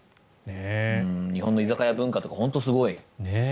日本の居酒屋文化とか本当にすごい。